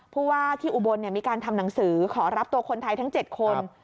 ผู้ว่าที่อุบลมีการทำหนังสือขอรับตัวคนไทยทั้ง๗คน